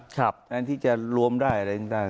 แทนที่จะรวมได้อะไรต่าง